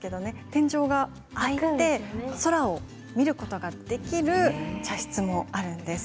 天井が開いて空を見ることができる茶室もあるんです。